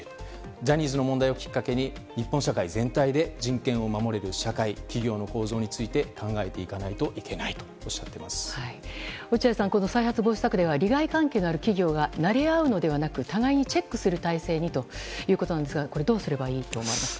ジャニーズの問題をきっかけに日本社会全体で人権を守れる社会企業の構造について考えていかなければいけないと落合さん、この再発防止策では利害関係のある企業が馴れ合うのではなく互いにチェックする体制にということですがこれはどうすればいいと思われますか？